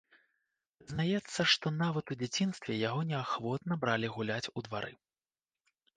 Прызнаецца, што нават у дзяцінстве яго неахвотна бралі гуляць у двары.